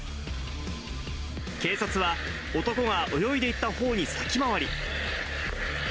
警察は、男が泳いでいったほうに先回り。